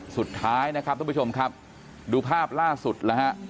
สุดท้ายนะครับทุกผู้ชมครับดูภาพล่าสุดนะฮะ